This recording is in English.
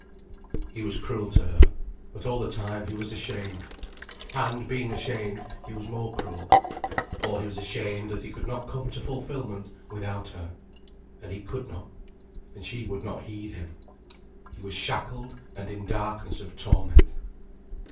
He was cruel to her. But all the time he was ashamed. And being ashamed, he was more cruel. For he was ashamed that he could not come to fulfilment without her. And he could not. And she would not heed him. He was shackled and in darkness of torment.